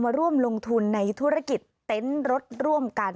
ฟังเสียงลูกจ้างรัฐตรเนธค่ะ